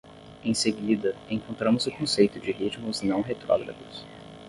Em seguida, encontramos o conceito de ritmos não retrógrados.